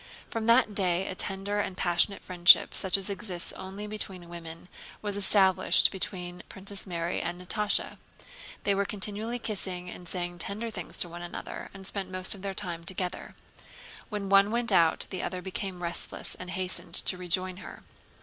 From that day a tender and passionate friendship such as exists only between women was established between Princess Mary and Natásha. They were continually kissing and saying tender things to one another and spent most of their time together. When one went out the other became restless and hastened to rejoin her.